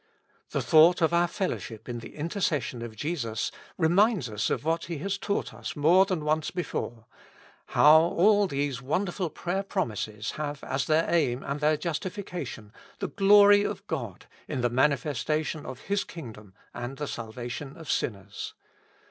The thought of our fellowship in the intercession of Jesus reminds us of what He has taught us more than once before, how all these wonderful prayer promises have as their aim and their justification, the glory of God in the manifestation of His kingdom and the salvation of sinners.